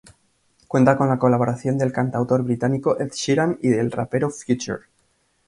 Cuenta con la colaboración del cantautor británico Ed Sheeran y el rapero Future.